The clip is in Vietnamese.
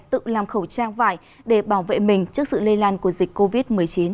tự làm khẩu trang vải để bảo vệ mình trước sự lây lan của dịch covid một mươi chín